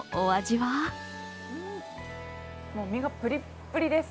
もう、身がぷりっぷりです。